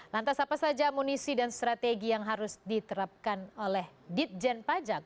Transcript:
lantas apa saja amunisi dan strategi yang harus diterapkan oleh ditjen pajak